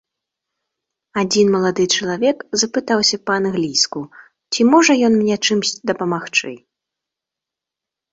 Адзін малады чалавек запытаўся па-англійску, ці можа ён мне чымсьці дапамагчы.